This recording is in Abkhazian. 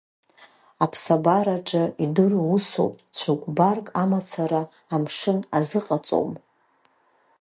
Аԥсабараҿы идыру усуп, цәыкәбарк амацара амшын азыҟаҵом.